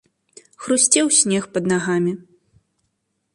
Хрусцеў снег пад нагамі.